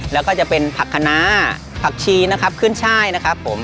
แล้วก็จะเป็นผักคณะผักชีนะครับขึ้นช่ายนะครับผม